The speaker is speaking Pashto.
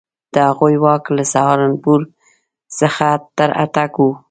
د هغوی واک له سهارنپور څخه تر اټک وو.